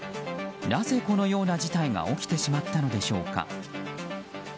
なぜこのような事態が起きてしまったのでしょうか。